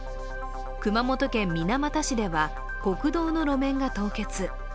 熊本県水俣市では国道の路面が凍結。